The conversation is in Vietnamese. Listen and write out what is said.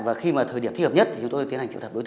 ví dụ tôi hỏi